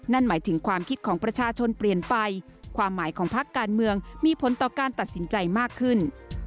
นั่นหมายถึงความคิดของประชาชนเปลี่ยนไปความหมายของพักการเมืองมีผลต่อการตัดสินใจมากขึ้น